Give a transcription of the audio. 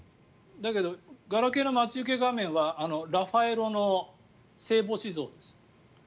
だけど、ガラケーの待ち受け画面はラファエロの聖母子像です。